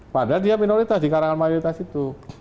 padahal dia minoritas di kalangan mayoritas itu